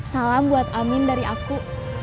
salam buat amin dari aku